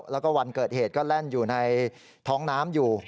แล้วก็วันเกิดเหตุก็แล่นอยู่ในท้องน้ำอยู่